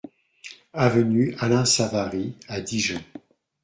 Avenue Alain Savary à Dijon